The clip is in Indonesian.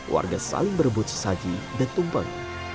warga saling berebut sesaji dan tumpeng